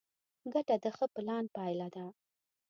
ګټه د ښه پلان پایله ده.